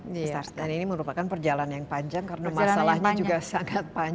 besar dan ini merupakan perjalanan yang panjang karena masalahnya juga sangat panjang